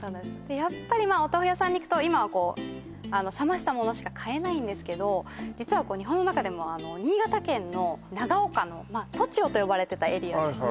やっぱりお豆腐屋さんに行くと今はこう冷ましたものしか買えないんですけど実は日本の中でも新潟県の長岡の栃尾と呼ばれてたエリアですね